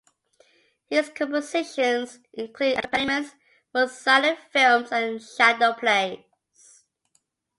His compositions include accompaniments for silent films and shadow plays.